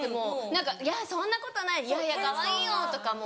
何か「いやそんなことない」「いやいやかわいいよ」とかも。